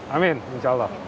amin insya allah